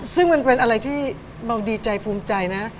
ซึ่งมันเป็นอะไรที่เราดีใจภูมิใจนะ